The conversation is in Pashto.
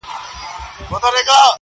o زما او جانان د زندګۍ خبره ورانه سوله,